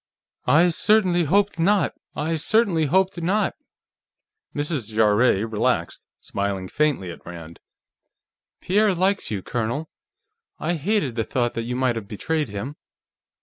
"I certainly hoped not." Mrs. Jarrett relaxed, smiling faintly at Rand. "Pierre likes you, Colonel. I hated the thought that you might have betrayed him.